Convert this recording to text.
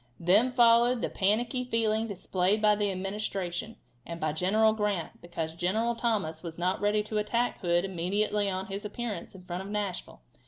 Then followed the panicky feeling displayed by the Administration, and by General Grant, because General Thomas was not ready to attack Hood immediately on his appearance in front of Nashville.